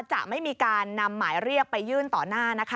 จะไม่มีการนำหมายเรียกไปยื่นต่อหน้านะคะ